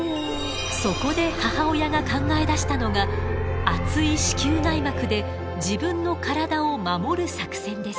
そこで母親が考え出したのが厚い子宮内膜で自分の体を守る作戦です。